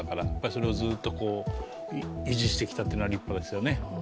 それをずっと維持してきたというのは立派ですよね。